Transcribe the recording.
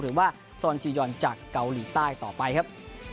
หรือว่าซอนจียอนจากเกาหลีใต้ต่อไปครับ